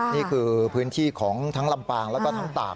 นี่คือพื้นที่ของทั้งลำปางแล้วก็ทั้งตาก